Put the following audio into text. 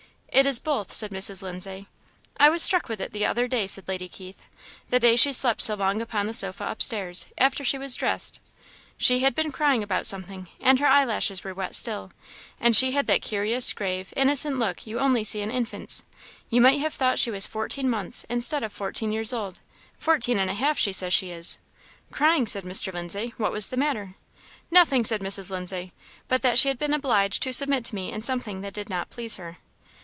"It is both," said Mrs. Lindsay. "I was struck with it the other day," said Lady Keith "the day she slept so long upon the sofa upstairs, after she was dressed; she had been crying about something, and her eyelashes were wet still, and she had that curious, grave, innocent look you only see in infants; you might have thought she was fourteen months instead of fourteen years old; fourteen and a half, she says she is." "Crying?" said Mr. Lindsay, "What was the matter?" "Nothing," said Mrs. Lindsay, "but that she had been obliged to submit to me in something that did not please her."